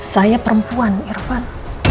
saya perempuan irvan